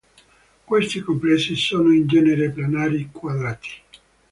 Questi complessi sono in genere planari quadrati.